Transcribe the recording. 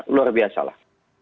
luar biasa lah